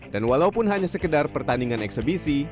dan walaupun hanya sekedar pertandingan eksebisi